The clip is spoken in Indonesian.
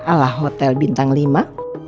ala hotel bintang lima